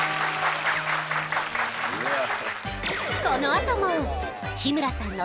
このあとも日村さんの